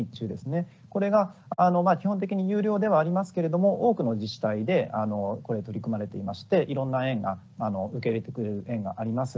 これが基本的に有料ではありますけれども多くの自治体でこれ取り組まれていましていろんな園が受け入れてくれる園があります。